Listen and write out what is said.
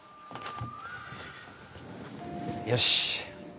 よし。